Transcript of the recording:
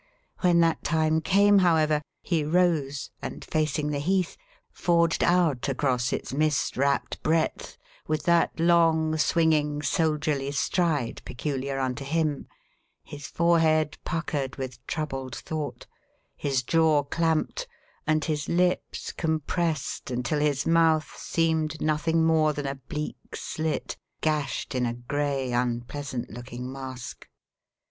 When that time came, however, he rose, and facing the heath, forged out across its mist wrapped breadth with that long, swinging, soldierly stride peculiar unto him, his forehead puckered with troubled thought, his jaw clamped, and his lips compressed until his mouth seemed nothing more than a bleak slit gashed in a gray, unpleasant looking mask.